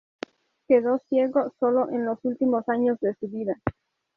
Quedó ciego sólo en los últimos años de su vida.